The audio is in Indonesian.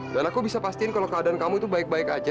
dan aku bisa pastikan kalau keadaan kamu itu baik baik aja